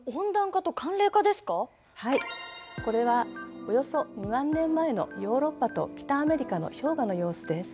これはおよそ２万年前のヨーロッパと北アメリカの氷河の様子です。